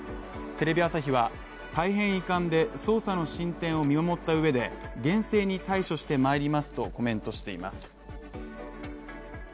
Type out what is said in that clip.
テレビ朝日は大変遺憾で、捜査の進展を見守ったうえで厳正に対処してまいりますとコメントしています。